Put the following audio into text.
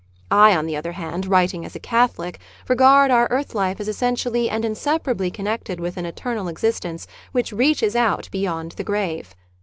I, on the other hand, writing as a Catholic, regard our earth life as essentially and inseparably connected with an eternal existence which reaches out beyond the grave.